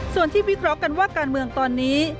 ส่วนที่วิเคราะห์กันว่าการเมืองตอนนี้